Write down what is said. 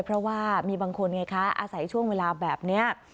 เพราะว่ามีบางคนไงคะอาศัยช่วงเวลาแบบนี้